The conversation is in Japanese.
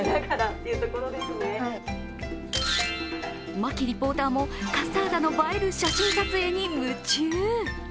槙リポーターもカッサータの映える写真撮影に夢中。